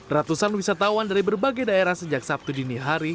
ratusan wisatawan dari berbagai daerah sejak sabtu dini hari